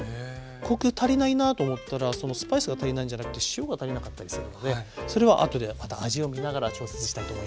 コク足りないなと思ったらスパイスが足りないんじゃなくて塩が足りなかったりするのでそれはあとでまた味をみながら調節したいと思います。